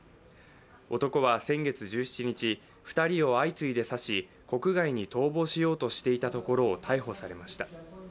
男は先月１７日、２人を相次いで刺し、国外に逃亡しようとしていたところを逮捕されました。